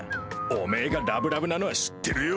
おめぇがラブラブなのは知ってるよ。